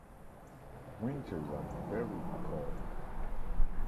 Winters are very cold.